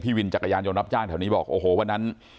วินจักรยานยนต์รับจ้างแถวนี้บอกโอ้โหวันนั้น